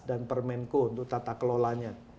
dan permenko untuk tata kelolanya